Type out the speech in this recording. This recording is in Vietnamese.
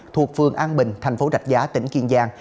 thuộc phường an bình thành phố rạch giá tỉnh kiên giang